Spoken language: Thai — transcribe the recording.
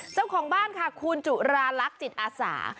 เจ้าของบ้านค่ะคุณจุราลักษณ์จิตอาสา